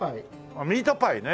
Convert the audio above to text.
あっミートパイね！